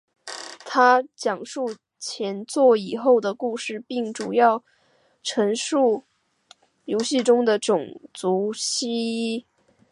它讲述前作以后的故事并主要描述游戏中的种族希格拉如何应对其新敌人维格尔。